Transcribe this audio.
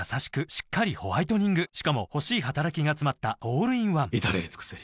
しっかりホワイトニングしかも欲しい働きがつまったオールインワン至れり尽せり